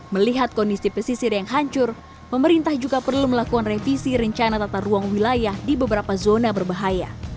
melihat kondisi pesisir yang hancur pemerintah juga perlu melakukan revisi rencana tata ruang wilayah di beberapa zona berbahaya